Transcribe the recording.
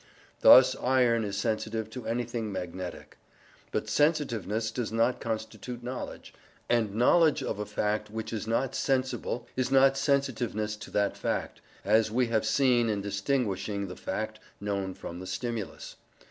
Thus iron is sensitive to anything magnetic. But sensitiveness does not constitute knowledge, and knowledge of a fact which is not sensible is not sensitiveness to that fact, as we have seen in distinguishing the fact known from the stimulus.